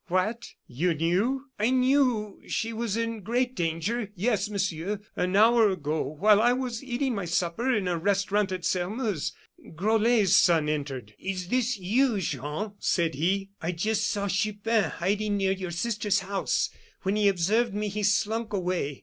'" "What! you knew " "I knew she was in great danger; yes, Monsieur. An hour ago, while I was eating my supper in a restaurant at Sairmeuse, Grollet's son entered. 'Is this you, Jean?' said he. 'I just saw Chupin hiding near your sister's house; when he observed me he slunk away.